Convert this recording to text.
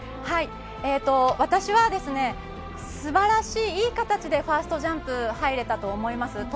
私は、素晴らしいいい形でファーストジャンプに入れたと思います。